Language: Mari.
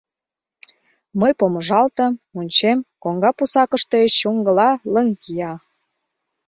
Мый помыжалтым, ончем: коҥга пусакыште чуҥгыла лыҥ кия.